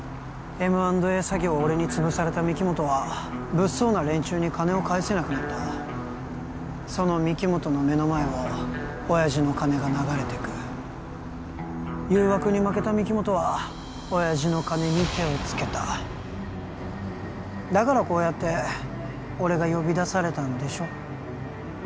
詐欺を俺に潰された御木本は物騒な連中に金を返せなくなったその御木本の目の前を親爺の金が流れてく誘惑に負けた御木本は親爺の金に手を付けただからこうやって俺が呼び出されたんでしょ